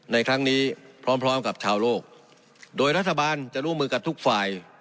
ในครั้งนี้พร้อมพร้อมกับชาวโลกโดยรัฐบาลจะร่วมมือกับทุกฝ่าย